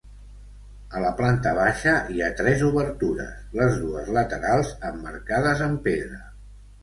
A la planta baixa hi ha tres obertures, les dues laterals emmarcades en pedra.